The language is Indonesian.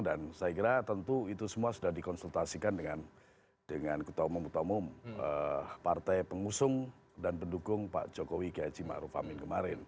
dan saya kira tentu itu semua sudah dikonsultasikan dengan ketamu ketamu partai pengusung dan pendukung pak jokowi gajimaru famin kemarin